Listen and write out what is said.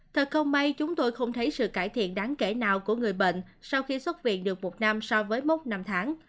thật không may chúng tôi không thấy sự cải thiện đáng kể nào của người bệnh sau khi xuất viện được một năm so với mốc năm tháng